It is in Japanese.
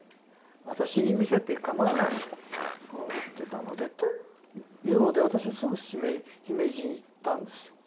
私に見せてかまわないと言ってたのでと言うので私はすぐ姫路に行ったんですよ。